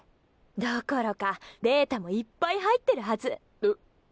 どころかデータもいっぱい入ってるはず。え？